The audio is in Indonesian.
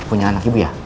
punya anak ibu ya